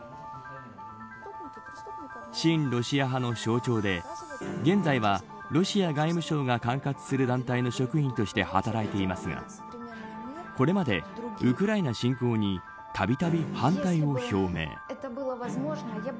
親ロシア派の象徴で現在はロシア外務省が管轄する団体の職員として働いていますがこれまでウクライナ侵攻にたびたび反対を表明。